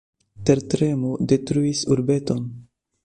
Tertremo detruis urbeton.